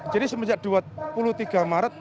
jadi semenjak dua puluh tiga maret